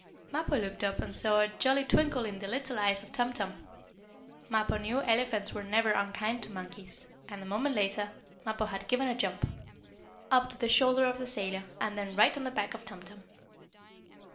Mappo looked up, and saw a jolly twinkle in the little eyes of Tum Tum. Mappo knew elephants were never unkind to monkeys, and, a moment later, Mappo had given a jump, up to the shoulder of the sailor, and then right on the back of Tum Tum.